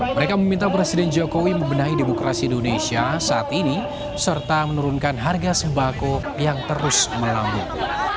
mereka meminta presiden jokowi membenahi demokrasi indonesia saat ini serta menurunkan harga sembako yang terus melambung